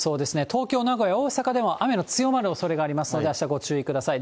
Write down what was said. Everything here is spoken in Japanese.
東京、名古屋、大阪でも雨の強まるおそれがありますので、あした、ご注意ください。